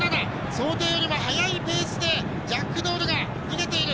想定よりも速いペースでジャックドールが逃げている！